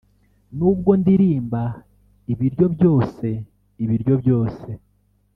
nubwo ndirimba, ibiryo byose, ibiryo byose,